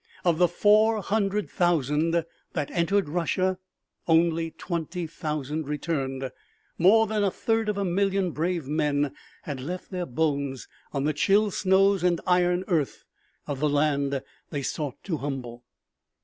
Of the four hundred thousand that entered Russia only twenty thousand returned. More than a third of a million brave men had left their bones on the chill snows and iron earth of the land they sought to humble.